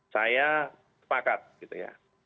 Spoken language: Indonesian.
saya sepakat gitu ya